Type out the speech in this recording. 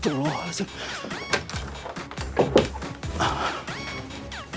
ibu tuh mau jawab